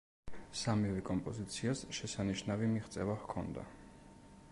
სამივე კომპოზიციას შესანიშნავი მიღწევა ჰქონდა.